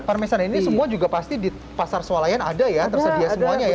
parmesan ini semua juga pasti di pasar sualayan ada ya tersedia semuanya ya